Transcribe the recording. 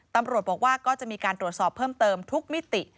ตำรวจบอกว่าก็จะมีการตรวจสอบเพิ่มเติมทุกมิติ